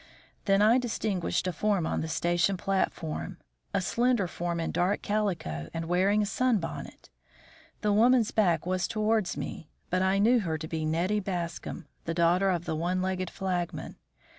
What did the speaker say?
Then I distinguished a form on the station platform, a slender form in dark calico and wearing a sun bonnet. The woman's back was towards me, but I knew her to be Nettie Bascom, the daughter of the one legged flagman.